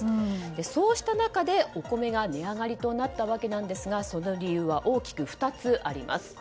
そうした中でお米が値上がりとなったわけですがその理由は大きく２つあります。